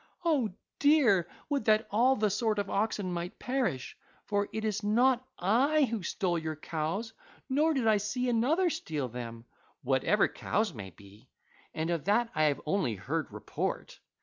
O dear, would that all the sort of oxen might perish; for it is not I who stole your cows, nor did I see another steal them—whatever cows may be, and of that I have only heard report.